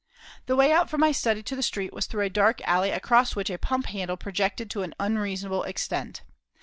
The way out from my study to the street was through a dark alley across which a pump handle projected to an unreasonable extent.